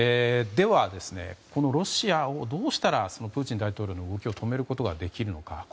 では、ロシアをどうしたらプーチン大統領の動きを止めることができるのか。